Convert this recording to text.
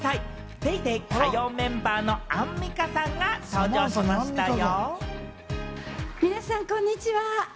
『ＤａｙＤａｙ．』火曜メンバーのアンミカさんが登場しましたよ。